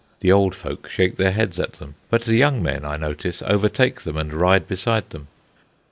The old folks shake their heads at them; but the young men, I notice, overtake them and ride beside them.